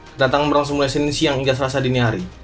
kedatangan berlangsung mulai senin siang hingga selasa dini hari